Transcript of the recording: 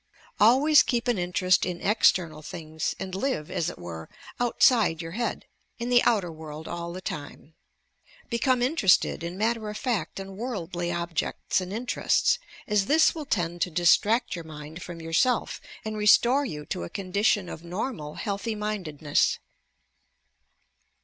Always keep an interest in external things and live, as it were, outside your head, in the outer world all the time. Become interested in matter of fact and worldly objects and interests, as this will tend to distract your mind from yourself and restore you to a condition of normal healthy mindedness.